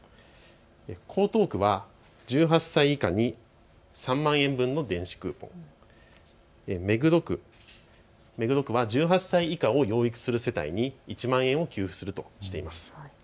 江東区は１８歳以下に３万円分の電子クーポン、目黒区は１８歳以下を養育する世帯に１万円を給付するとしています。